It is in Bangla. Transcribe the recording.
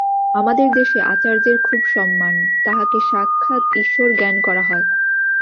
আমাদের দেশে আচার্যের খুব সম্মান, তাঁহাকে সাক্ষাৎ ঈশ্বর জ্ঞান করা হয়।